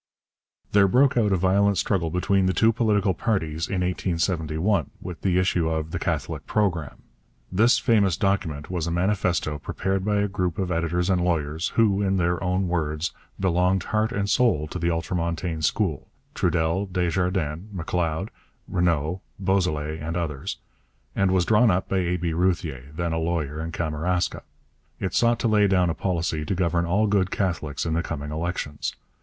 There broke out a violent struggle between the two political parties in 1871, with the issue of the Catholic Programme. This famous document was a manifesto prepared by a group of editors and lawyers, who, in their own words, 'belonged heart and soul to the ultramontane school' Trudel, Desjardins, M'Leod, Renault, Beausoleil, and others and was drawn up by A. B. Routhier, then a lawyer in Kamouraska. It sought to lay down a policy to govern all good Catholics in the coming elections.